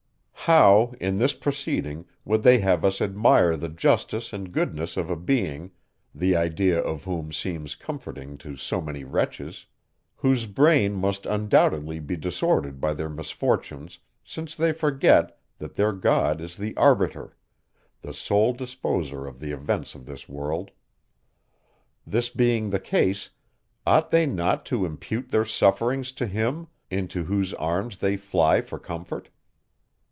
How, in this proceeding, would they have us admire the justice and goodness of a being, the idea of whom seems comforting to so many wretches, whose brain must undoubtedly be disordered by their misfortunes, since they forget, that their God is the arbiter, the sole disposer of the events of this world. This being the case, ought they not to impute their sufferings to him, into whose arms they fly for comfort?